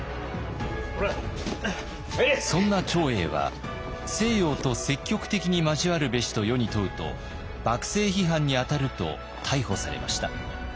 そんな長英は「西洋と積極的に交わるべし」と世に問うと幕政批判にあたると逮捕されました。